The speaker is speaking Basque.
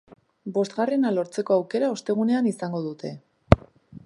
Bostgarrena lortzeko aukera ostegunean izango dute.